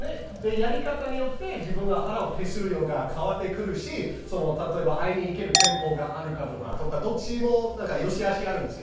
やり方によって自分が払う手数料が変わってくるし、例えば会いに行ける店舗があるかどうかとか、どっちも善し悪しがあります。